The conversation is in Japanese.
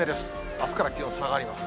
あすから気温下がります。